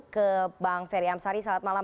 ke bang ferry amsari selamat malam